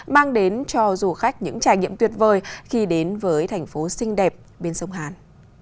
mang đến cho du khách những trải nghiệm tuyệt vời khi đến với thành phố xinh đẹp bên sông hàn